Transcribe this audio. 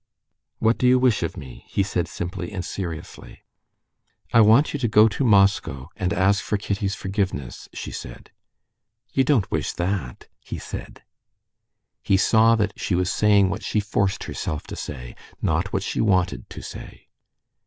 "What do you wish of me?" he said simply and seriously. "I want you to go to Moscow and ask for Kitty's forgiveness," she said. "You don't wish that?" he said. He saw she was saying what she forced herself to say, not what she wanted to say.